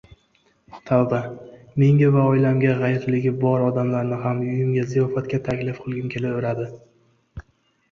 • Tavba, menga va oilamga g‘ayirligi bor odamlarni ham uyimdagi ziyofatga taklif qilgim kelaveradi!